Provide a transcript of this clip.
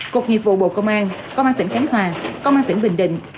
cục nghiệp vụ bộ công an công an tỉnh khánh hòa công an tỉnh bình định